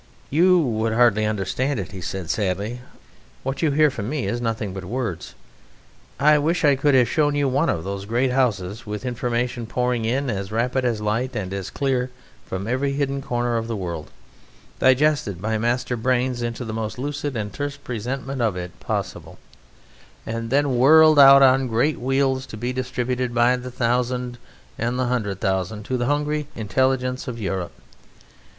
"You would hardly understand it," he said sadly; "what you hear from me is nothing but words.... I wish I could have shown you one of those great houses with information pouring in as rapid, as light, and as clear, from every hidden corner of the world, digested by master brains into the most lucid and terse presentment of it possible, and then whirled out on great wheels to be distributed by the thousand and the hundred thousand, to the hungry intelligence of Europe.